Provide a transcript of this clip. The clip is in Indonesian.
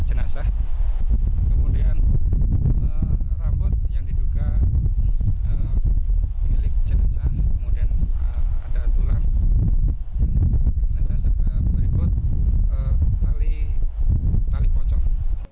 jenazah berikut tali pocong